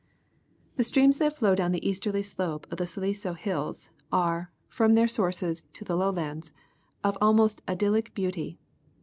The streams that flow down the eastern slope of the Silico hills are, from their sources to the lowlands, of almost idyllic beauty.